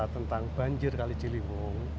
tentang banjir kali ciliwung